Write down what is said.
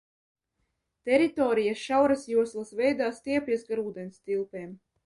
Teritorijas šauras joslas veidā stiepjas gar ūdenstilpēm.